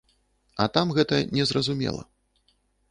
А там гэта не зразумела.